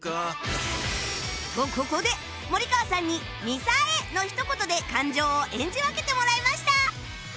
とここで森川さんに「みさえ」の一言で感情を演じ分けてもらいました